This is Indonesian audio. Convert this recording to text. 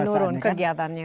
mulai menurun kegiatannya